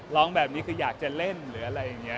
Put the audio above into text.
ร้องแบบนี้คืออยากจะเล่นหรืออะไรอย่างนี้